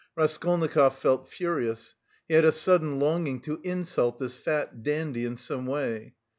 Raskolnikov felt furious; he had a sudden longing to insult this fat dandy in some way.